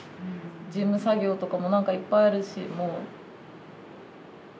事務作業とかも何かいっぱいあるし。